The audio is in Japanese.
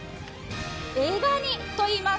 エガニといいます。